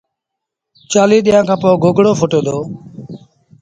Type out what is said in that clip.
چآليٚه ڏيݩهآݩ کآݩ پو گوگڙو ڦُٽي دو